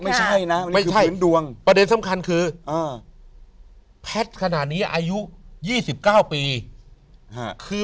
ไม่ใช่นะไม่ใช่เห็นดวงประเด็นสำคัญคือแพทย์ขนาดนี้อายุ๒๙ปีคือ